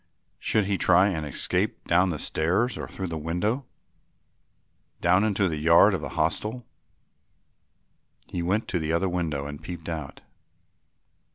Should he try and escape down the stairs or through the window, down into the yard of the hostel? He went to the other window and peeped out.